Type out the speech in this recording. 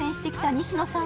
西野さん！